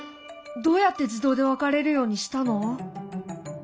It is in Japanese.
どうやって自動で分かれるようにしたの？